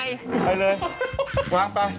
อ้าวไปน้องค์หลอบไกลอีกเลยวางไป